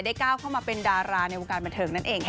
ก้าวเข้ามาเป็นดาราในวงการบันเทิงนั่นเองค่ะ